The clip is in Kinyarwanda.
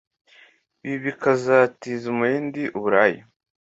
ibi bikazatiza umurindi uburaya